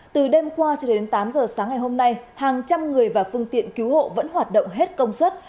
từ đêm qua cho đến tám giờ sáng ngày hôm nay hàng trăm người và phương tiện cứu hộ vẫn hoạt động hết công suất